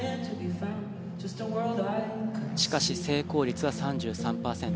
しかし成功率は３３％。